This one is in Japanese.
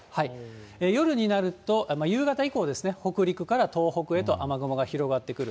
夜になると、夕方以降ですね、北陸から東北へと雨雲が広がってくる。